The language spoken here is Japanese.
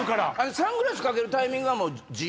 サングラスかけるタイミングはもう自由？